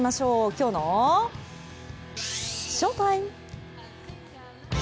きょうのＳＨＯＴＩＭＥ。